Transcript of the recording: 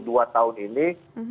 dua tahun ini